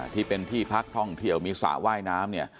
ที่เป็นที่พักท่องเที่ยวมีสระว่ายน้ำเนี่ย